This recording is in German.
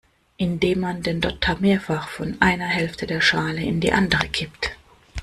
Indem man den Dotter mehrfach von einer Hälfte der Schale in die andere kippt.